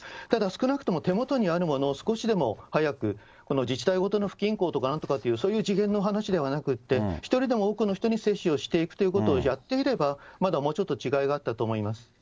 ただ、少なくとも手元にあるものを少しでも早く自治体ごとの不均衡とかなんとかというそういう次元の話ではなくて、一人でも多くの人に接種をしていくということをやっていればまだもうちょっと違いがあったと思います。